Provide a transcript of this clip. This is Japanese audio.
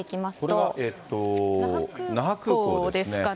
これは那覇空港ですかね。